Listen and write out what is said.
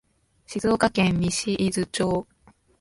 静岡県西伊豆町